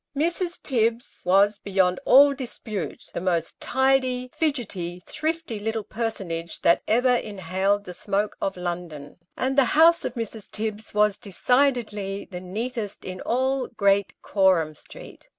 CHAPTER I. MRS. TIBBS was, beyond all dispute, the most tidy, fidgety, thrifty little personage that ever inhaled the smoke of London ; and the house of Mrs. Tibbs was, decidedly, the neatest in all Great Coram Street.